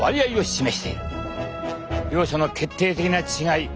両者の決定的な違い